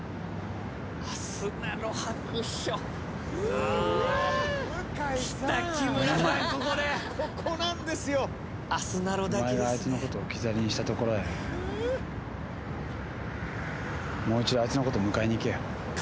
「お前があいつのことを置き去りにしたところへもう一度あいつのこと迎えに行けよ」